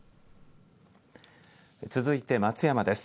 続いて松山です。